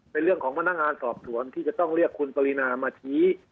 เป็นเรื่องของพนักงานสอบสวนที่จะต้องเรียกคุณปรินามาชี้